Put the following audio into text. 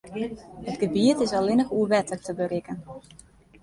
It gebiet is allinnich oer wetter te berikken.